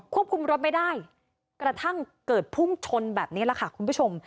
คุมรถไม่ได้กระทั่งเกิดพุ่งชนแบบนี้แหละค่ะคุณผู้ชม